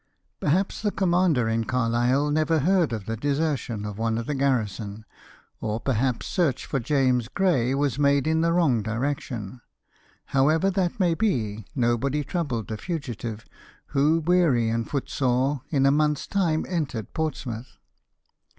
Perhaps the commander in Carlisle never heard of the desertion of one of the garrison, or perhaps search for James Gray was made in the wrong direction. However that may be, nobody troubled the fugitive, who weary and footsore, in a month's time entered Portsmouth.